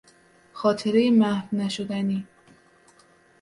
خاطرهی محو نشدنی